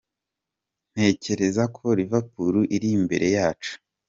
"Ntekereza ko Liverpool iri imbere yacu.